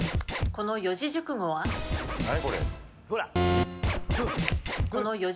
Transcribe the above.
この四字熟語は？